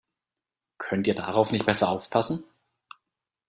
Könnt ihr darauf nicht besser aufpassen?